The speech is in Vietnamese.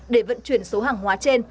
để vận chuyển số hàng hóa trên